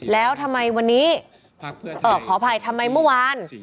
แล้วทำไมวันนี้ขออภัยทำไมเมื่อวาน